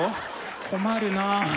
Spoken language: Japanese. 困るな。